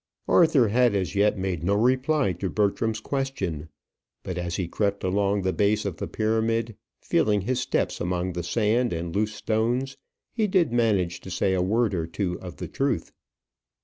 Arthur had as yet made no reply to Bertram's question; but as he crept along the base of the pyramid, feeling his steps among the sand and loose stones, he did manage to say a word or two of the truth.